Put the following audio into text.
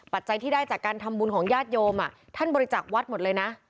ปัจจัยที่ได้จากการทำบุญของญาติโยมท่านบริจักษ์วัดหมดเลยนะ